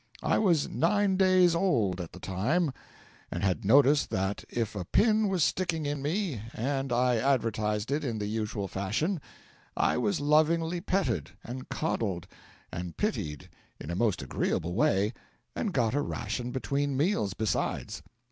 I was nine days old at the time, and had noticed that if a pin was sticking in me and I advertised it in the usual fashion, I was lovingly petted and coddled and pitied in a most agreeable way and got a ration between meals besides.